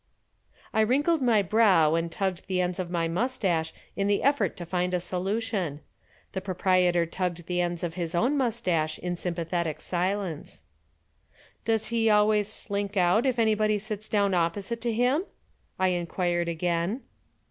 I wrinkled my brow and tugged the ends of my moustache in the effort to find a solution. The proprietor tugged the ends of his own moustache in sympathetic silence. "Does he always slink out if anybody sits down opposite to him?" I inquired again.